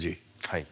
はい。